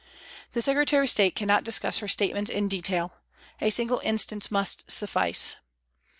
" The Secretary of State cannot discuss her state ments in detail. A single instance must suffice.